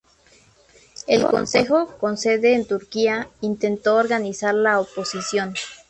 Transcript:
El consejo, con sede en Turquía, intentó organizar la oposición.